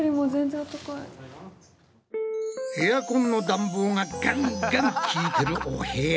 エアコンの暖房がガンガンきいてるお部屋。